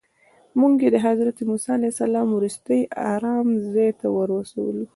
موږ یې د حضرت موسی علیه السلام وروستي ارام ځای ته ورسولو.